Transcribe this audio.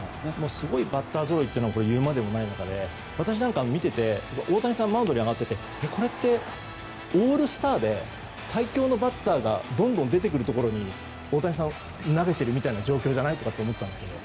すごいバッターぞろいなのはいうまでもない中で私なんか見てて大谷さんマウンドに上がっててこれってオールスターで最強のバッターがどんどん出てくるところに大谷さん、投げている状況じゃないかと思ったんですが。